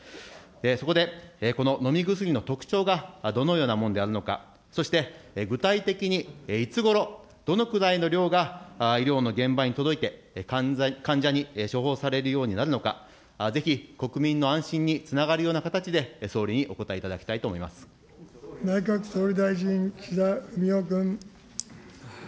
そこで、この飲み薬の特徴がどのようなものであるのか、そして具体的にいつごろ、どのくらいの量が医療の現場に届いて、患者に処方されるようになるのか、ぜひ国民の安心につながるような形で総理にお答えいただきたいと内閣総理大臣、岸田文雄君。